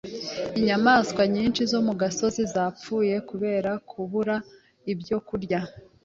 Inyamaswa nyinshi zo mu gasozi zapfuye kubera kubura ibyo kurya.